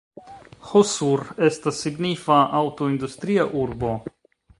Hosur estas signifa aŭtoindustria urbo.